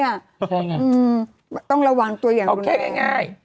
แค่ยังไงอืมต้องระวังตัวอย่างรุนแรกเอาแค่ง่าย